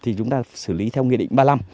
thì chúng ta xử lý theo nghị định ba mươi năm